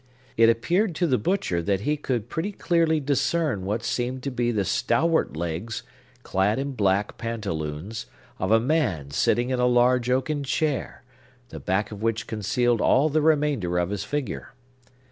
It appeared to the butcher that he could pretty clearly discern what seemed to be the stalwart legs, clad in black pantaloons, of a man sitting in a large oaken chair, the back of which concealed all the remainder of his figure.